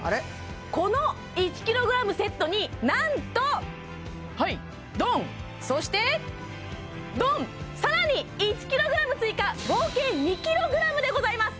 この１ｋｇセットになんとどんっそしてどんっ更に１ｋｇ追加！でございます